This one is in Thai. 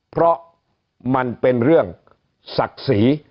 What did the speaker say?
เพราะมันเป็นเรื่องศักดิ์ศรี